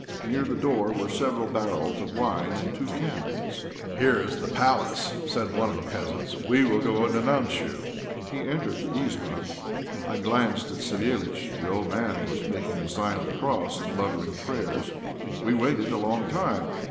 Near the door were several barrels of wine and two cannons. "Here is the palace!" said one of the peasants; "we will go and announce you." He entered the "izbá." I glanced at Savéliitch; the old man was making the sign of the cross, and muttering prayers. We waited a long time.